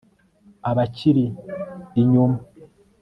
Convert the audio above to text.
abakiri inyuma